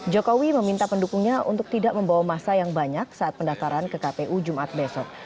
jokowi meminta pendukungnya untuk tidak membawa masa yang banyak saat pendaftaran ke kpu jumat besok